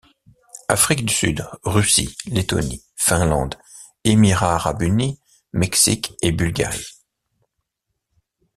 Afrique du Sud, Russie, Lettonie, Finlande, Émirats arabes unis, Mexique et Bulgarie.